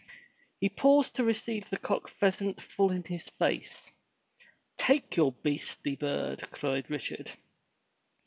He paused to receive the cock pheasant full in his face. "Take your beastly bird," cried Richard.